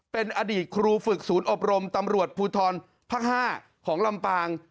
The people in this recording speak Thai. เป็นอดีตครูฝึกศูนย์อบรมตำรวจภูทรภาค๕ของลำปาง